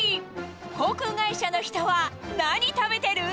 航空会社の人は、何食べてる？